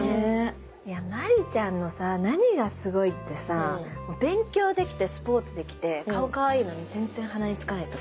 真里ちゃんのさ何がすごいってさ勉強できてスポーツできて顔かわいいのに全然鼻につかないとこ。